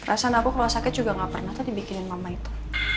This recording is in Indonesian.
perasaan aku keluar sakit juga gak pernah tadi bikinin mama itu